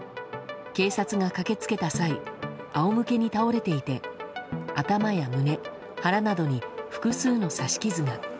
警察が駆け付けた際仰向けに倒れていて頭や胸、腹などに複数の刺し傷が。